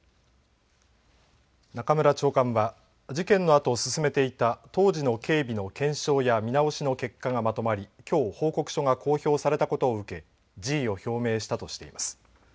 中村長官は事件のあと進めていた当時の警備の検証や見直しの結果がまとまりきょう報告書が公表されたことを受け辞意を表明したとしています。